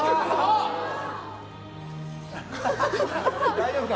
大丈夫か？